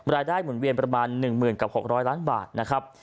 หมุนเวียนประมาณ๑๐๐๐กับ๖๐๐ล้านบาทนะครับ